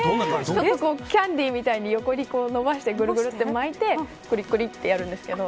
キャンディーみたいに横に伸ばして、ぐるぐるって巻いてくりくりってやるんですけど。